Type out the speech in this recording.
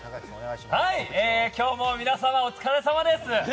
今日も皆様お疲れさまです。